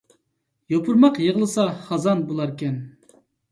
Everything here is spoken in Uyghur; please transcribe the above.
يۇپۇرماق يىغلىسا خازان بۇلار كەن